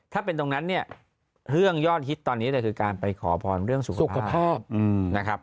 ถ้าเป็นตรงนั้นเนี่ยเรื่องยอดฮิตตอนนี้เนี่ยคือการไปขอพรเรื่องสุขภาพนะครับ